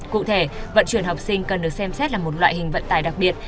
cụ thể vận chuyển học sinh cần được xem xét là một loại hình vận tải đặc biệt